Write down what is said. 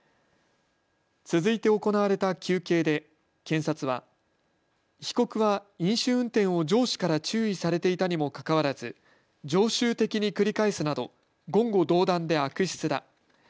続いて行われた求刑で検察は被告は飲酒運転を上司から注意されていたにもかかわらず常習的に繰り返すなど言語道断で悪質だ。